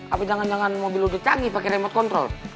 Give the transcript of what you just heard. tapi jangan jangan mobil udah canggih pakai remote control